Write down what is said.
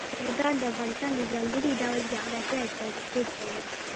چرګان د افغانستان د ځانګړي ډول جغرافیه استازیتوب کوي.